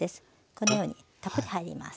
このようにたっぷり入ります。